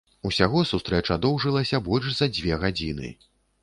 Усяго сустрэча доўжылася больш за дзве гадзіны.